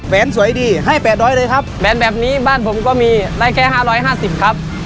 แบรนด์สวยดีให้แปดร้อยเลยครับแบรนด์แบบนี้บ้านผมก็มีได้แค่ห้าร้อยห้าสิบครับ